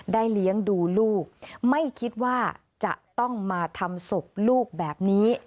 เลี้ยงดูลูกไม่คิดว่าจะต้องมาทำศพลูกแบบนี้